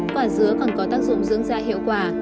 quả dứa còn có tác dụng dưỡng da hiệu quả